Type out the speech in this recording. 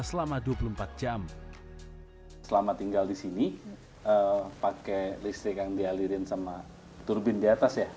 selama tinggal di sini pakai listrik yang dialirin sama turbin di atas ya